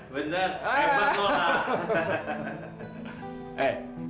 bener hebat lho lah